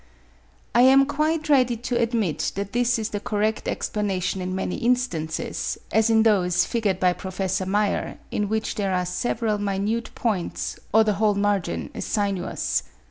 I am quite ready to admit that this is the correct explanation in many instances, as in those figured by Prof. Meyer, in which there are several minute points, or the whole margin is sinuous.